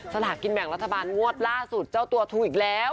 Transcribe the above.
สลากินแบ่งรัฐบาลงวดล่าสุดเจ้าตัวถูกอีกแล้ว